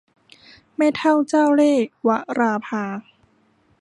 แม่เฒ่าเจ้าเล่ห์ - วราภา